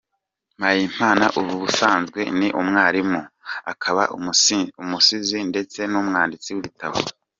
Mpayimana ubusanzwe ni umwarimu, akaba umusizi ndetse n’umwanditsi w’ibitabo.